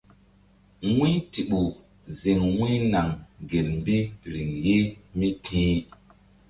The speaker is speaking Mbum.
Wu̧y Tiɓu ziŋ Wu̧ynaŋ gel mbí riŋ ye mí ti̧h.